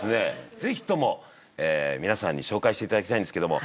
ぜひとも皆さんに紹介していただきたいんですけども。